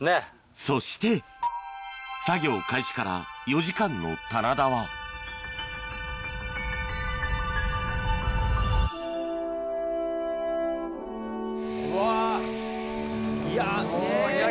そして作業開始から４時間の棚田はうわ。